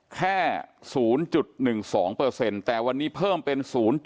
แค่๐๑๒แต่วันนี้เพิ่มเป็น๐๘